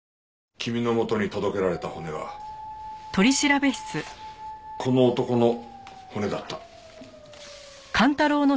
君の元に届けられた骨はこの男の骨だった。